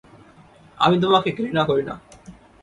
আমি তোমাকে ঘৃণা করি না।